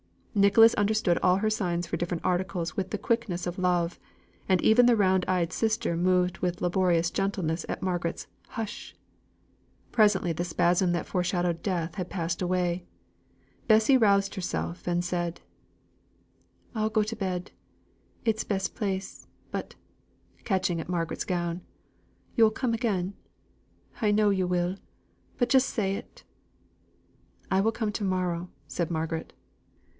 Nicholas understood all her signs for different articles with the quickness of love, and even the round eyed sister moved with laborious gentleness at Margaret's "hush!" Presently the spasm that foreshadowed death had passed away, and Bessy roused herself and said, "I'll go to bed, it's best place; but," catching at Margaret's gown, "yo'll come again, I know yo' will but just say it!" "I will come again to morrow," said Margaret.